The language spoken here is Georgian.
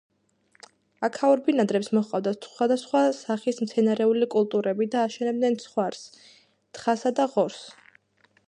აქაურ ბინადრებს მოჰყავდათ სხვადასხვა სახის მცენარეული კულტურები და აშენებდნენ ცხვარს, თხასა და ღორს.